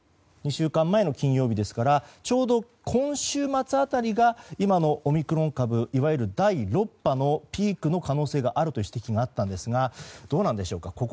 ２週間前の金曜日ですからちょうど今週末辺りが今のオミクロン株いわゆる第６波のピークの可能性があるとの指摘があったんですがどうなのでしょうか。